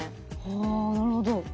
はあなるほど。